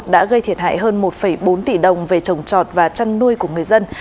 đã gây thiệt hại hơn một bốn tỷ đồng về trồng trọt và chăn nuôi của người dân